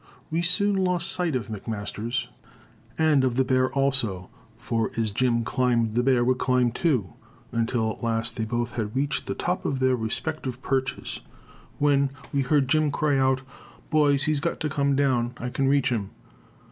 We soon lost sight of McMasters and of the bear also; for, as Jim climbed the bear would climb too, until at last they both had reached the top of their respective perches, when we heard Jim cry out, "Boys, he's got to come down; I can reach him."